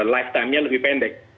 lifetimenya lebih pendek